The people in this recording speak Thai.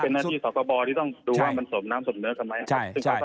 เป็นหน้าที่สคบที่ต้องดูว่ามันสมน้ำสมเนื้อกันไหมครับ